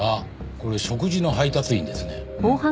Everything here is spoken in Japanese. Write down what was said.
これ食事の配達員ですね。